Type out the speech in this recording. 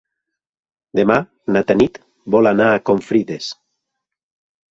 Demà na Tanit vol anar a Confrides.